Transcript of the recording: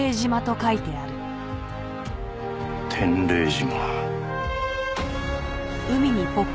天礼島。